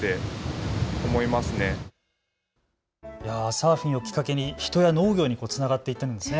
サーフィンをきっかけに人や農業につながっていったんですね。